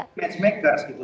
kami matchmakers gitu